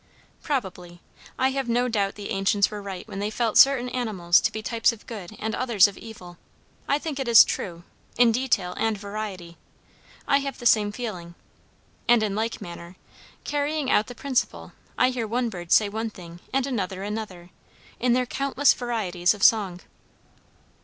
"Probably. I have no doubt the ancients were right when they felt certain animals to be types of good and others of evil. I think it is true, in detail and variety. I have the same feeling. And in like manner, carrying out the principle, I hear one bird say one thing and another another, in their countless varieties of song."